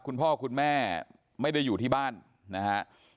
คุณพ่อคุณแม่ไม่ได้อยู่ที่บ้านนะฮะ